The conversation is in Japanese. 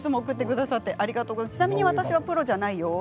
ちなみに私はプロじゃないよ。